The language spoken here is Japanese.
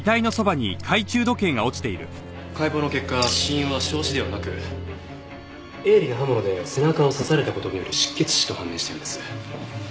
解剖の結果死因は焼死ではなく鋭利な刃物で背中を刺された事による失血死と判明したようです。